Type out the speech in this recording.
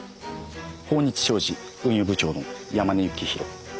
豊日商事運輸部長の山根幸博。